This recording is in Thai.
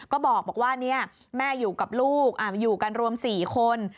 ก็บอกบอกว่านี่แม่อยู่กับลูกอยู่กันรวมสี่คน